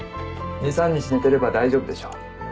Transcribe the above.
２３日寝てれば大丈夫でしょう。